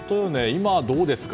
今はどうですか？